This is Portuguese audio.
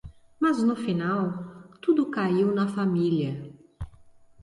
Mas no final... tudo caiu na família.